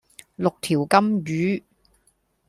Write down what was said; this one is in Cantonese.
六條金魚